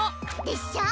でっしょ。